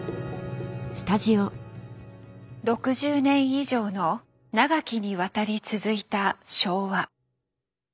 ６０年以上の長きにわたり続いた昭和。